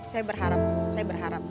saya berharap saya berharap